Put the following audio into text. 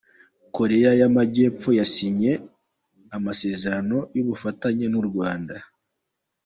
Korea y’Amajyepfo yasinyanye amasezerano y’ubufatanye n’u Rwanda